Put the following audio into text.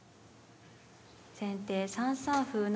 先手３三歩成。